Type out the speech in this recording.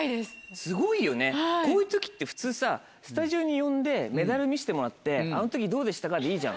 すごいよねこういう時って普通さスタジオに呼んでメダル見してもらって「あの時どうでしたか？」でいいじゃん。